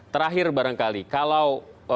terakhir barangkali kalau